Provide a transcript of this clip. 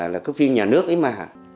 là cái phim nhà nước ấy mà